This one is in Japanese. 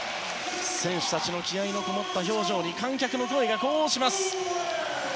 選手たちの気合のこもった表情に観客の声が呼応します。